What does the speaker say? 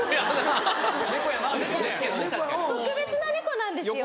特別な猫なんですよ。